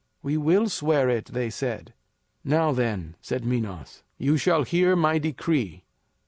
"We will swear it," they said. "Now then," said Minos, "you shall hear my decree.